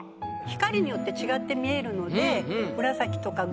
光によって違って見えるので。